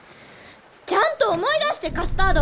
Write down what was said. ちゃんと思い出してカスタード！